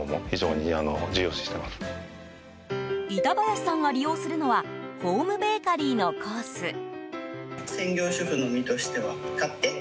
板林さんが利用するのはホームベーカリーのコース。